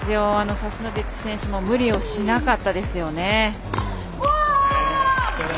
サスノビッチ選手も無理をしなかったですよね。